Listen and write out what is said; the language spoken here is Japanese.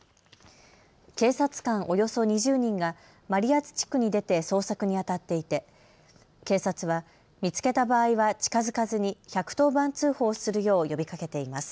警察官およそ２０人が真里谷地区に出て捜索にあたっていて警察は見つけた場合は近づかずに１１０番通報するよう呼びかけています。